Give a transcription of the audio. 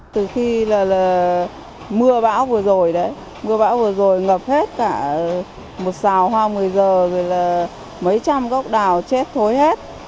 từ khi là mưa bão vừa rồi đấy mưa bão vừa rồi ngập hết cả một xào hoa một mươi giờ rồi là mấy trăm gốc đào chết thối hết